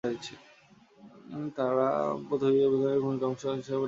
তাঁর বাংলা-পর্তুগিজ অভিধানের ভূমিকা অংশ হিসেবে তিনি এটি রচনা করেন।